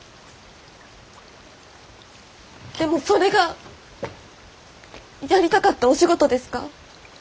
でもそれがやりたかったお仕事ですか？